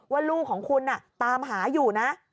ว่าลูกของคุณตามหาอยู่นะ